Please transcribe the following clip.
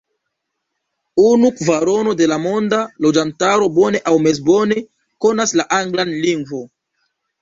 Unu kvarono de la monda loĝantaro bone aŭ mezbone konas la anglan lingvon.